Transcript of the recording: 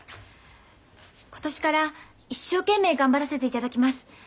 今年から一生懸命頑張らせていただきます。